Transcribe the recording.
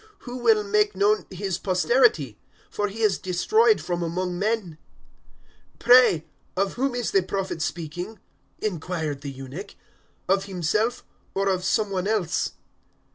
Who will make known His posterity? For He is destroyed from among men." 008:034 "Pray, of whom is the Prophet speaking?" inquired the eunuch; "of himself or of some one else?"